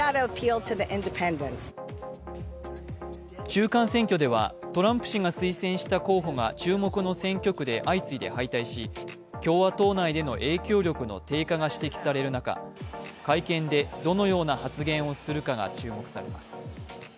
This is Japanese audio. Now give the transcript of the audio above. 中間選挙ではトランプ氏が推薦した候補が注目の選挙区で相次いで敗退し、共和党内での影響力の低下が指摘される中、会見でどのような発言をするかが注目されます。